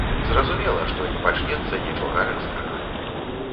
Зразумела, што не пачнецца нічога рэзкага.